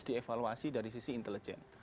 dievaluasi dari sisi intelijen